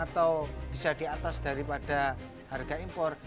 atau bisa diatas daripada harga impor